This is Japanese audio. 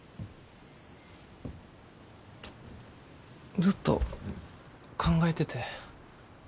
ずっと考えてて。